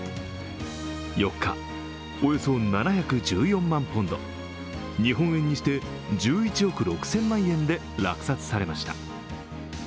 ４日、およそ７１４万ポンド日本円にして１１億６０００万円で落札されました。